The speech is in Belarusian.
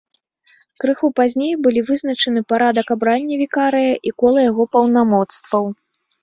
Крыху пазней былі вызначаны парадак абрання вікарыя і кола яго паўнамоцтваў.